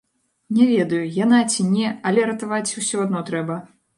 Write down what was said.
Не ведаю, яна ці не, але ратаваць усё адно трэба.